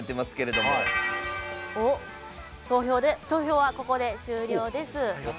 投票はここで終了です。